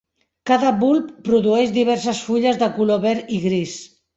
Cada bulb produeix diverses fulles de color verd i gris.